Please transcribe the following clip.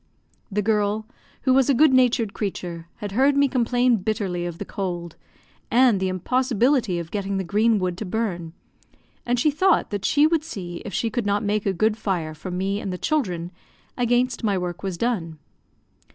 The girl, who was a good natured creature, had heard me complain bitterly of the cold, and the impossibility of getting the green wood to burn, and she thought that she would see if she could not make a good fire for me and the children, against my work was done.